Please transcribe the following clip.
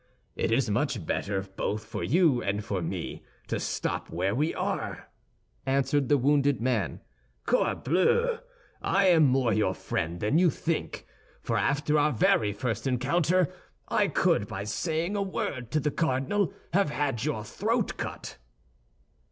"It is much better both for you and for me to stop where we are," answered the wounded man. "Corbleu! I am more your friend than you think—for after our very first encounter, I could by saying a word to the cardinal have had your throat cut!"